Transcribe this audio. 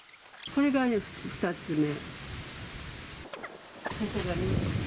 これが５つ目。